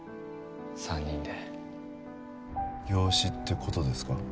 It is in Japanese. ３人で養子ってことですか？